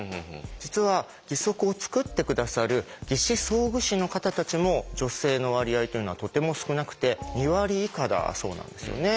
実は義足をつくって下さる義肢装具士の方たちも女性の割合というのはとても少なくて２割以下だそうなんですよね。